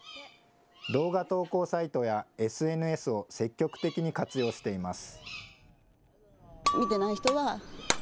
動画投稿サイトやＳＮＳを積極的に活用しています。